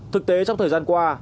thực tế trong thời gian qua